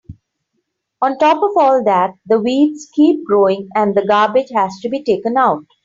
On top of all that, the weeds keep growing and the garbage has to be taken out.